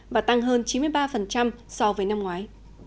và tăng hơn chín mươi ba so với năm ngoái